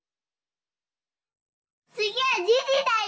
つぎはじじだよ。